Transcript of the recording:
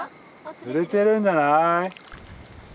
釣れてるんじゃない？